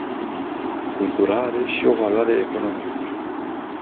Cultura are și o valoare economică.